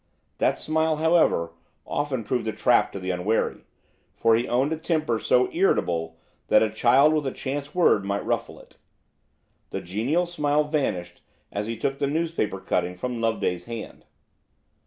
That smile, however, often proved a trap to the unwary, for he owned a temper so irritable that a child with a chance word might ruffle it. The genial smile vanished as he took the newspaper cutting from Loveday's hand.